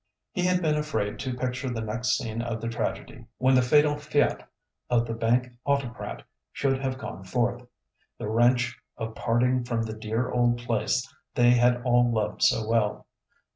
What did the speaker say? He had been afraid to picture the next scene of the tragedy, when the fatal fiat of the Bank Autocrat should have gone forth,—the wrench of parting from the dear old place they had all loved so well.